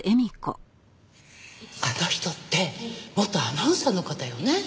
あの人って元アナウンサーの方よね？